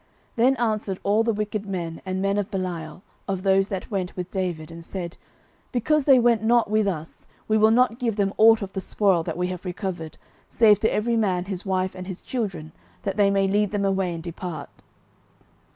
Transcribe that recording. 09:030:022 Then answered all the wicked men and men of Belial, of those that went with David, and said, Because they went not with us, we will not give them ought of the spoil that we have recovered, save to every man his wife and his children, that they may lead them away, and depart.